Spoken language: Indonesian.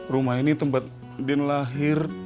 rumah ini tempat din lahir